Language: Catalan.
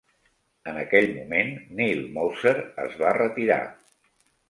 En aquell moment, Neal Moser es va retirar.